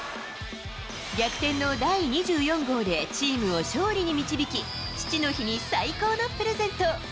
逆転の第２４号で、チームを勝利に導き、父の日に最高のプレゼント。